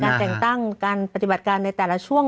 แต่งตั้งการปฏิบัติการในแต่ละช่วง